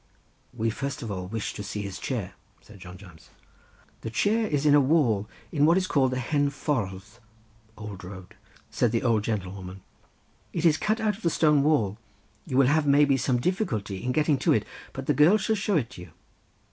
"We first of all wish to see his chair," said John Jones. "The chair is in a wall in what is called the hen ffordd (old road)," said the old gentlewoman; "it is cut out of the stone wall; you will have maybe some difficulty in getting to it, but the girl shall show it to you."